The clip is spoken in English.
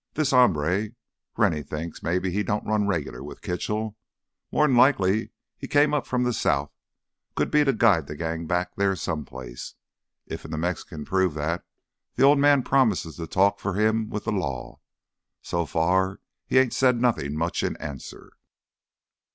This hombre, Rennie thinks maybe he don't run regular with Kitchell—more'n likely he came up from th' south, could be to guide th' gang back there some place. Iffen th' Mex can prove that, th' Old Man promises to talk for him with th' law. So far he ain't said nothin' much in answer."